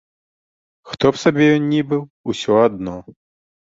Хто б сабе ён ні быў, усё адно.